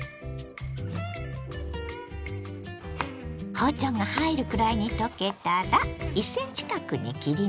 包丁が入るくらいにとけたら１ｃｍ角に切ります。